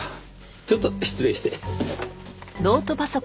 ちょっと失礼して。